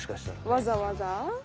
わざわざ？